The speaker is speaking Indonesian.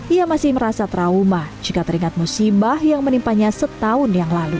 ia masih merasa trauma jika teringat musibah yang menimpanya setahun yang lalu